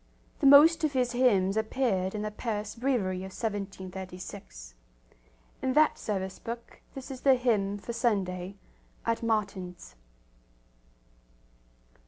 The most of his hymns appeared in the Paris Breviary of 1736. In that service book this is the hymn for Sunday at Matins.